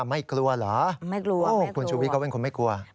ไม่กลัวเหรอโอ้โฮคุณชูวิทย์ก็เป็นคนไม่กลัวไม่กลัวไม่กลัว